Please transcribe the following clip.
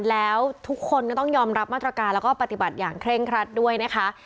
แล้วทุกคนก็ต้องยอมรับมาตรการแล้วก็ปฏิบัติอย่างเร่งครัดด้วยนะคะ